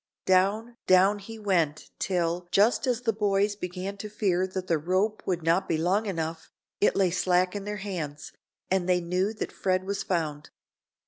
Down, down he went till, just as the boys began to fear that the rope would not be long enough, it lay slack in their hands, and they knew that Fred was found.